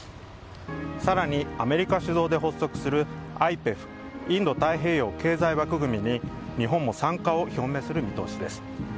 さらに、アメリカ主導で発足する、ＩＰＥＦ・インド太平洋経済枠組みに日本も参加を表明する見通しです。